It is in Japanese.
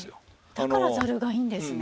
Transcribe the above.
だからざるがいいんですね。